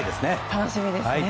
楽しみですね。